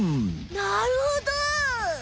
なるほど！